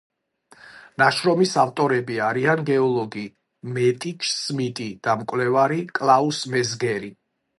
ნაშრომის ავტორები არიან გეოლოგი მეტიჯს სმიტი და მკვლევარი კლაუს მეზგერი.